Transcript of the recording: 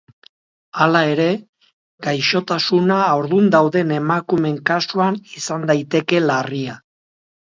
Hala ere, gaixotasuna haurdun dauden emakumeen kasuan izan daiteke larria.